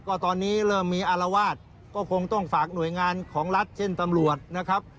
ก็ตอนนี้เริ่มมีอารวาสก็คงต้องฝากหน่วยงานของรัฐเช่นตำรวจนะครับ